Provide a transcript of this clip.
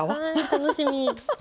楽しみ！